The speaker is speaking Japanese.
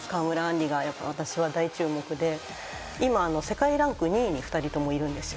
りが私は大注目で今世界ランク２位に２人ともいるんですよ